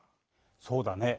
そうだね。